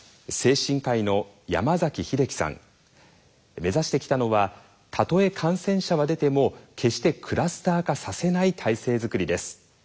目指してきたのはたとえ感染者は出ても決してクラスター化させない体制づくりです。